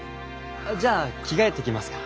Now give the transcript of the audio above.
じゃあ着替えてきますから。